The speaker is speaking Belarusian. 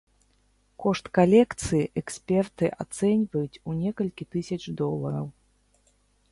Кошт калекцыі эксперты ацэньваюць у некалькі тысяч долараў.